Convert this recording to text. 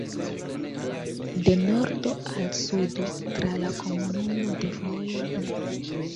De nordo al sudo tra la komunumo de vojo ne.